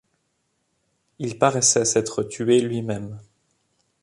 Il paraissait s’être tué lui-même.